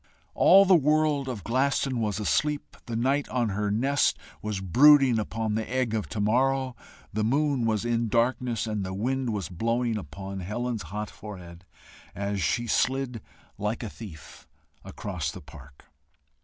All the world of Glaston was asleep; the night on her nest was brooding upon the egg of to morrow; the moon was in darkness; and the wind was blowing upon Helen's hot forehead, as she slid like a thief across the park.